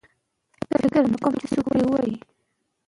الهيار خان د ابدالیانو يو ځيرک او هوښیار مشر و.